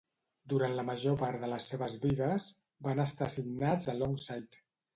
Durant la major part de les seves vides, van estar assignats a Longsight.